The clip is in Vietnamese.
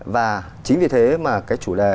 và chính vì thế mà cái chủ đề